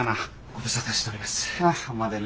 ご無沙汰しております。